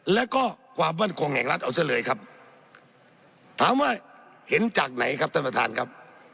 แล้วก็ความมั่นคงแห่งรัฐเอาซะเลยครับถามว่าเห็นจากไหนครับท่านประธานครับ